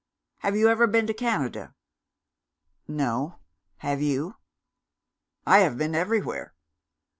Have you ever been to Canada?" "No. Have you?" "I have been everywhere.